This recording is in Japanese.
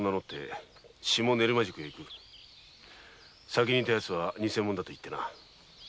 先にいたヤツは偽者だと言ってな。